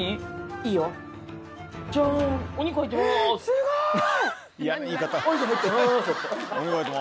すごい！